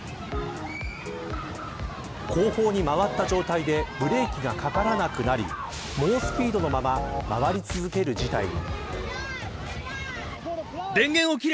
後方に回った状態でブレーキがかからなくなり猛スピードのまま回り続ける事態に。